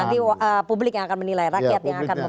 nanti publik yang akan menilai rakyat yang akan